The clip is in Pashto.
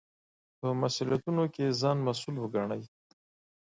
په مسوولیتونو کې ځان مسوول وګڼئ.